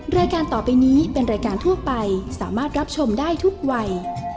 รายการต่อไปนี้เป็นรายการทั่วไปสามารถรับชมได้ทุกวัย